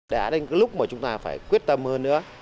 đã đến lúc mà chúng ta phải quyết tâm hơn nữa